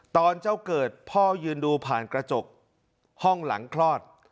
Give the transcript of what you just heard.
ตอนเจ้าเกิดพ่อยืนดูผ่านกระจกห้องหลังคลอด